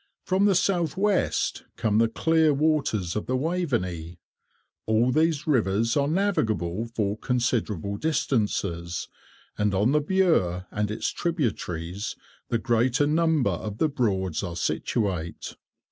From the south west come the clear waters of the Waveney. All these rivers are navigable for considerable distances, and on the Bure and its tributaries the greater number of the Broads are situate.